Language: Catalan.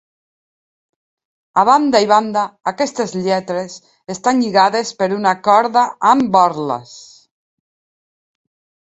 A banda i banda, aquestes lletres estan lligades per una corda amb borles.